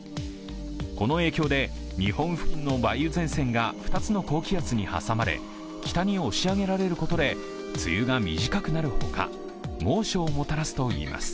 この影響で日本付近の梅雨前線が２つの高気圧に挟まれ北に押し上げられることで梅雨が短くなるほか猛暑をもたらすといいます。